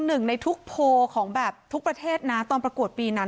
เต็ม๑ในทุกโพลดิ์ของแบบทุกประเทศตอบประกวดปี